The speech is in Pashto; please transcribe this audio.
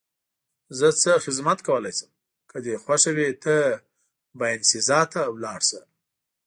زه څه خدمت کولای شم؟ که دې خوښه وي ته باینسیزا ته ولاړ شه.